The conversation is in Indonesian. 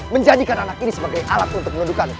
menjadikan anak ini sebagai alat untuk menundukan